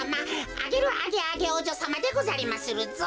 アゲル・アゲアゲおうじょさまでござりまするぞ。